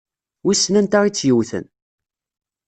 Wissen anwa i tt-yewwten?